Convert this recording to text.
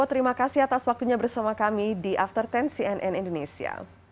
terima kasih atas waktunya bersama kami di after sepuluh cnn indonesia